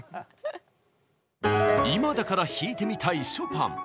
今だから弾いてみたいショパン。